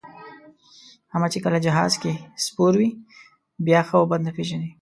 احمد چې کله جهاز کې سپور وي، بیا ښه او بد نه پېژني.